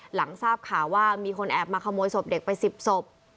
หลังทราบข่าวว่ามีคนแอบมาขโมยศพเด็กไป๑๐ศพ